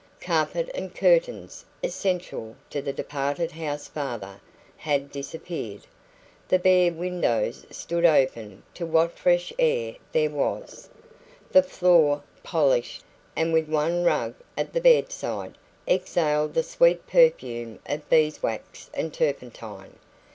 Carpet and curtains, essential to the departed housefather, had disappeared; the bare windows stood open to what fresh air there was; the floor, polished, and with one rug at the bedside, exhaled the sweet perfume of beeswax and turpentine.